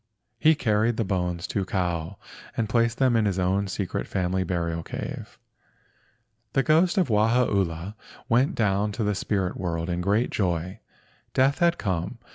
He carried the bones to Kau and placed them in his own secret family burial cave. The ghost of Wahaula went down to the spirit world in great joy. Death had come.